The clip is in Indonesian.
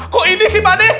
kok ini sih pak d